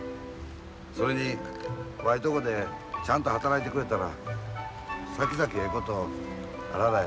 それにわいとこでちゃんと働いてくれたらさきざきええことあららよ。